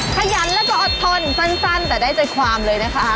ขยันแล้วก็อดทนสั้นแต่ได้ใจความเลยนะคะ